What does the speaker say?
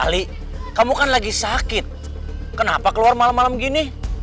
ali kamu kan lagi sakit kenapa keluar malam malam gini